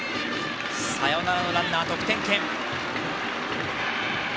サヨナラのランナー得点圏。